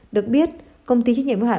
được biết công ty chức nhiệm hạn